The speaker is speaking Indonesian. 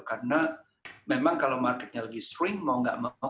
karena memang kalau marketnya lagi shrink mau nggak mau